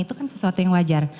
itu kan sesuatu yang wajar